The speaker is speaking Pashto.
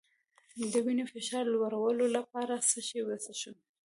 د وینې فشار لوړولو لپاره څه شی وڅښم؟